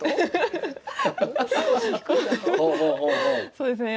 そうですね